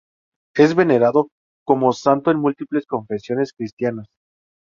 Es venerado como santo en múltiples confesiones cristianas.